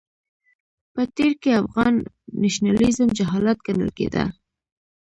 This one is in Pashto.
په تېر کې افغان نېشنلېزم جهالت ګڼل کېده.